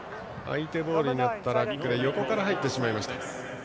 相手ボールになって横から入ってしまいました。